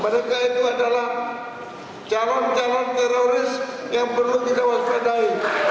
mereka itu adalah calon calon teroris yang perlu di lawan pedahi